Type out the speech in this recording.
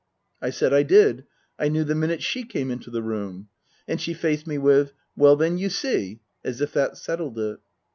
I said I did ; I knew the minute she came into the room. And she faced me with, " Well then, you see !" as if that settled it.